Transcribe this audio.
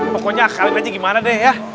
pokoknya kalib aja gimana deh ya